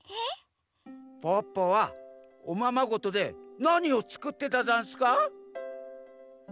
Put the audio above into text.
ポッポはおままごとでなにをつくってたざんすか？